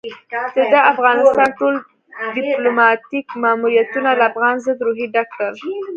ده د افغانستان ټول ديپلوماتيک ماموريتونه له افغان ضد روحيې ډک کړل.